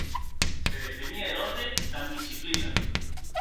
Se defenie er orde damb disciplina.